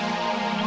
makasih dong biraz